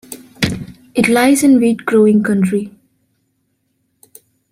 It lies in wheat-growing country.